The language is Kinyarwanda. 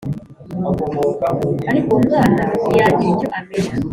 Ariko uwo mwana ntiyagira icyo amenya